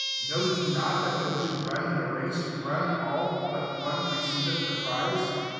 24 Know ye not that those who run in a race, run all, but one receiveth the prize?